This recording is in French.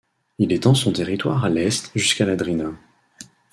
Il étend son territoire à l'est jusqu'à la Drina.